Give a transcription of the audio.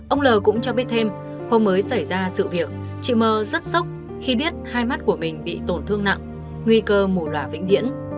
ông l cũng cho biết thêm hôm mới xảy ra sự việc chị mờ rất sốc khi biết hai mắt của mình bị tổn thương nặng nguy cơ mù loà vĩnh viễn